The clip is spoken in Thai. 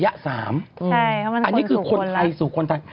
ใช่เพราะมันสู่คนละอันนี้คือคนไทยสู่คนไทย